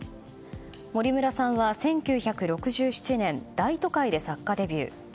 森村さんは１９６７年「大都会」で作家デビュー。